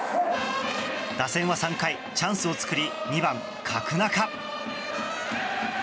打線は３回、チャンスを作り２番、角中。